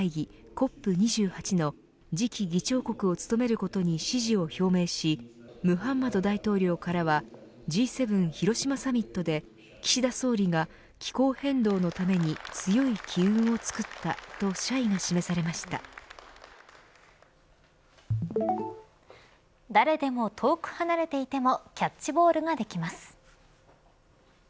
ＣＯＰ２８の次期議長国を務めることに支持を表明しムハンマド大統領からはＧ７広島サミットで岸田総理が気候変動のために強い機運をつくったと誰でも遠く離れていてもキャッチボールができます。